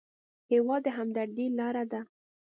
هېواد د همدردۍ لاره ده.